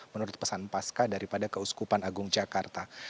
menurut pesan pasca daripada keuskupan agung jakarta